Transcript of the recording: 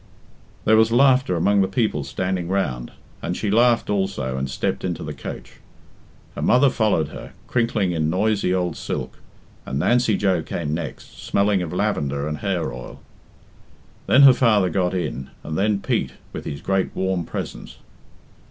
There was laughter among the people standing round, and she laughed also and stepped into the coach. Her mother followed her, crinkling in noisy old silk, and Nancy Joe came next, smelling of lavender and hair oil. Then her father got in, and then Pete, with his great warm presence.